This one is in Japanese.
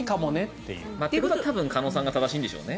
ということは多分鹿野さんが正しいんでしょうね。